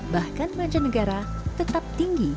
bahkan manja negara tetap tinggi